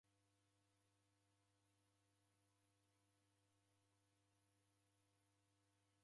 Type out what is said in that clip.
Ini ni mwana wa kaw'i mzedu.